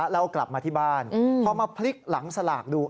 แล้วกลับมาที่บ้านพอมาพลิกหลังสลากดู